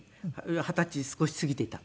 二十歳少し過ぎていた。